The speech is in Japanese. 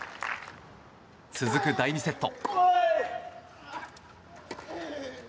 続く第２セット。